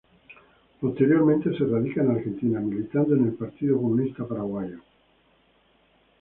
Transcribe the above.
Posteriormente se radica en Argentina militando en el Partido Comunista Paraguayo.